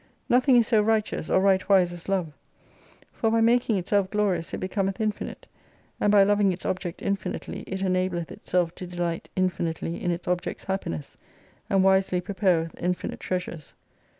— Nothing is so righteous, or right wise as Love For by making itself glorious it becometh infinite : and by lovmg its object infinitely it enableth itself to delight mfmitely m its object's happiness : and wisely prepareth mfmite treasures.